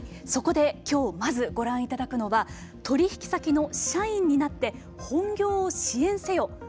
そこできょうまずご覧いただくのは「取引先の社員になって本業を支援せよ」